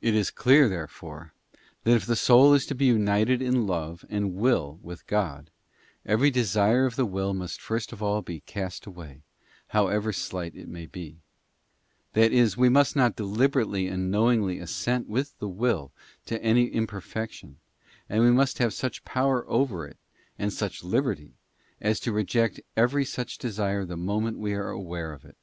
It is clear, there fore, that, if the soul is to be united in love and will with God, every desire of the will must first of all be cast away, however slight it may be; that is, we must not deliberately Knowledge and knowingly assent with the will to any imperfection, and and consent necessaryfor we must have such power over it, and such liberty, as to a moral act. reject every such desire the moment we are aware of it.